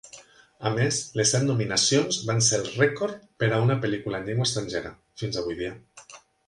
A més, les set nominacions van ser el rècord per a una pel·lícula en llengua estrangera, fins avui dia.